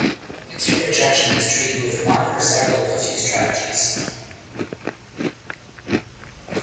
Acute rejection is treated with one or several of a few strategies.